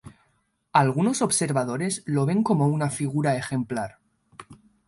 Algunos observadores lo ven como una figura ejemplar.